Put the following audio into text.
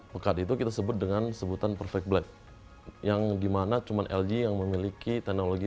mekar itu kita sebut dengan sebutan perfect black yang dimana cuman lg yang memiliki teknologi